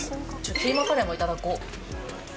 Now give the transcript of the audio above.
キーマカレーも頂こう。